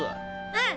うん！